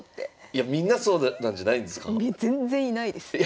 いやみんなそうなんじゃないんですか？